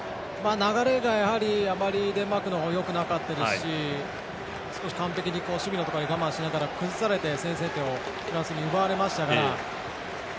流れが、やはりあまりデンマークの方はよくなかったですし少し完璧に守備のところで我慢しながら、崩されて先制点をフランスに奪われましたから。